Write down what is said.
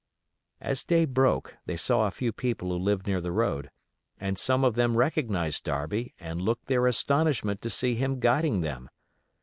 As day broke they saw a few people who lived near the road, and some of them recognized Darby and looked their astonishment to see him guiding them.